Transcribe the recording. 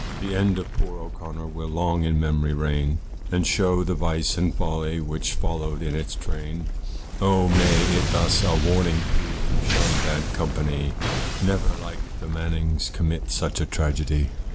The end of poor O'Connor will long in memory reign, And shew the vice and folly which followed in its train. Oh! may it thus a warning prove to shun bad company, Never like the Mannings commit such a tragedy.